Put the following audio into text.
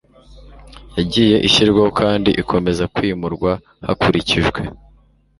yagiye ishyirwaho kandi ikomeza kwimurwa hakurikijwe